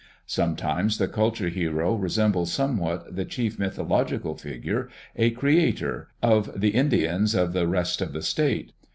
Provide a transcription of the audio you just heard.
Sometimes the culture hero resembles somewhat the chief mythological figure, a creator, of the Indians of the rest of the state.